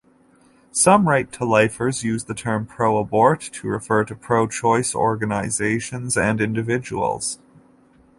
Some right-to-lifers use the term "pro-abort" to refer to pro-choice organizations and individuals.